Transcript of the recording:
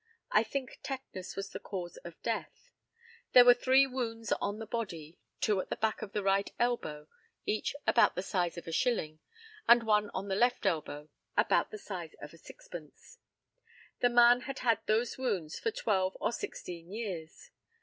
I think tetanus was the cause of death. There were three wounds on the body, two at the back of the right elbow, each about the size of a shilling, and one on the left elbow, about the size of a sixpence. The man had had those wounds for twelve or sixteen years.